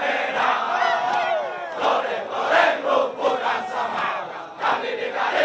ini langkah mil